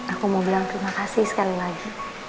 aku mau bilang terima kasih sekali lagi